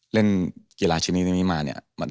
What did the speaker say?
เล่นกีฬาชนิดนี้มา